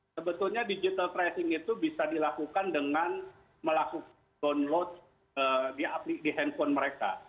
sebetulnya digital tracing itu bisa dilakukan dengan melakukan download di handphone mereka